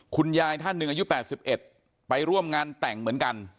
ท่านหนึ่งอายุ๘๑ไปร่วมงานแต่งเหมือนกัน